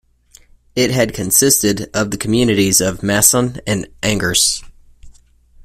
It had consisted of the communities of Masson and Angers.